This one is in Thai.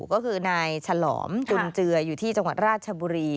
ก็คือนายฉลอมจุนเจืออยู่ที่จังหวัดราชบุรี